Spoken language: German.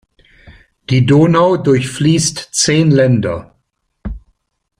Die Donau durchfließt zehn Länder.